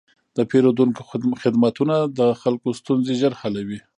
د پېرودونکو خدمتونه د خلکو ستونزې ژر حلوي.